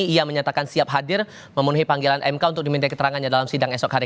ia menyatakan siap hadir memenuhi panggilan mk untuk diminta keterangannya dalam sidang esok hari